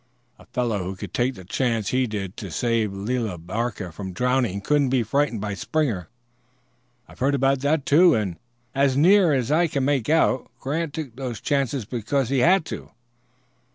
A fellow who would take the chances he did to save Lela Barker from drowning couldn't be frightened by Springer." "I've heard about that, too, and, as near as I can make out, Grant took those chances because he had to."